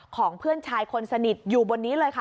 ของเพื่อนชายคนสนิทอยู่บนนี้เลยค่ะ